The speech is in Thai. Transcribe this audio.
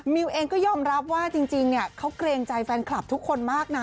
มิวเองก็ยอมรับว่าจริงเขาเกรงใจแฟนคลับทุกคนมากนะ